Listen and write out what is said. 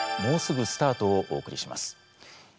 もうすぐスタート！」をお送りします。